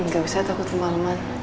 gak usah takut kemaleman